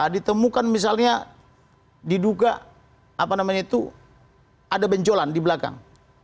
ditemukan misalnya diduga apa namanya itu ada benjolan di belakang